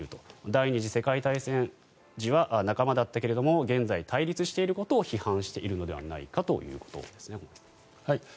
第２次世界大戦時は仲間だったけれども現在、対立していることを批判しているのではないかということです。